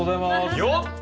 よっ！